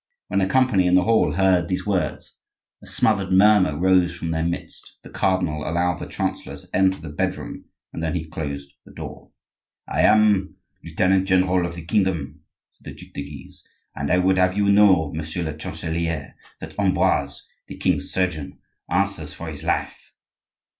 When the company in the hall heard these words a smothered murmur rose from their midst; the cardinal allowed the chancellor to enter the bedroom and then he closed the door. "I am lieutenant general of the kingdom," said the Duc de Guise; "and I would have you know, Monsieur le chancelier, that Ambroise, the king's surgeon, answers for his life."